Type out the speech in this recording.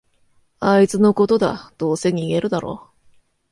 あいつのことだ、どうせ逃げるだろ